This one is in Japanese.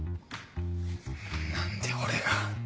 何で俺が。